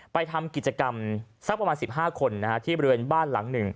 ไปทำกิจกรรมสักประมาณ๑๕คนที่บริเวณบ้านหลังหนึ่ง